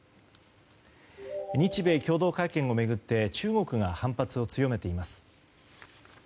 日米共同会見を巡って中国が反発を強めています。